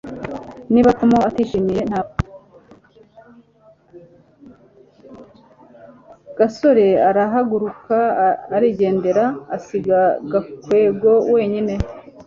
gasore arahaguruka arigendera, asiga gakwego wenyine